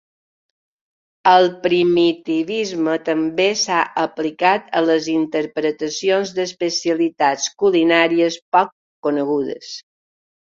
El primitivisme també s'ha aplicat a les interpretacions d'especialitats culinàries poc conegudes.